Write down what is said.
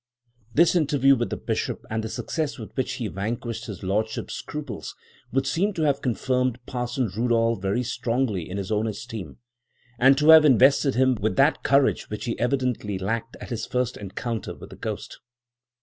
'" This interview with the bishop, and the success with which he vanquished his lordship's scruples, would seem to have confirmed Parson Rudall very strongly in his own esteem, and to have invested him with that courage which he evidently lacked at his first encounter with the ghost.